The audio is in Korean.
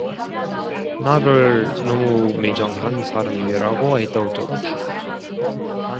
나를 너무 매정한 사람이라고 해도 좋다.